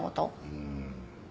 うん。